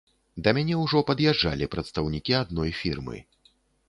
Да мяне ўжо пад'язджалі прадстаўнікі адной фірмы.